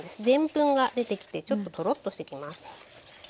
でんぷんが出てきてちょっとトロッとしてきます。